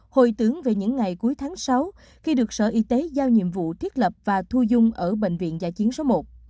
hồi tướng về những ngày cuối tháng sáu khi được sở y tế giao nhiệm vụ thiết lập và thu dung ở bệnh viện giả chiến số một